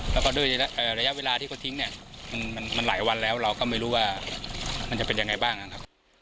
แล้วก็ด้วยระยะเวลาที่เขาทิ้งเนี่ยมันหลายวันแล้วเราก็ไม่รู้ว่ามันจะเป็นยังไงบ้างนะครับ